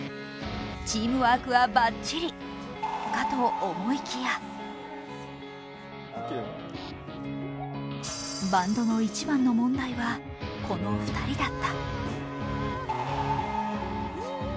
チームワークはバッチリかと思いきやバンドの一番の問題はこの２人だった。